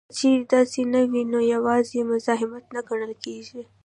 که چېرې داسې نه وي نو یوازې مزاحمت نه ګڼل کیږي